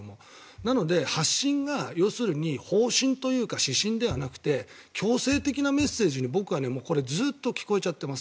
なので発信が要するに方針というか指針ではなくて強制的なメッセージに僕はこれずっと聞こえちゃってます。